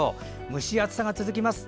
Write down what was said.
蒸し暑さが続きます。